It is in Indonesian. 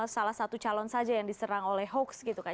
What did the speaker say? salah satu calon saja yang diserang oleh hoax gitu kan